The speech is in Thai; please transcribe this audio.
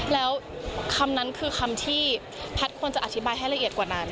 แล้วคำนั้นคือคำที่พัดควรจะอธิบายให้ล